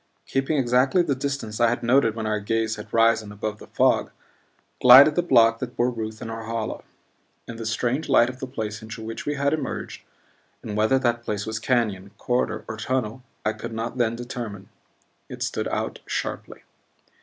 Keeping exactly the distance I had noted when our gaze had risen above the fog, glided the block that bore Ruth and Norhala. In the strange light of the place into which we had emerged and whether that place was canyon, corridor, or tunnel I could not then determine it stood out sharply.